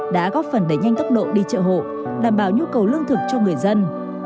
đã góp phần đẩy nhanh tốc độ đi chợ hộ đảm bảo nhu cầu lương thực cho người dân